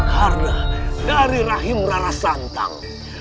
karena dari rahim rara santang